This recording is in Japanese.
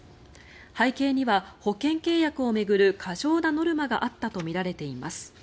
背景には保険契約を巡る過剰なノルマがあったとみられています。